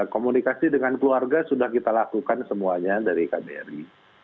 komunikasi dengan keluarga sudah kita lakukan semuanya dari kbri